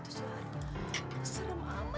rumah ruang itu p perksino bittu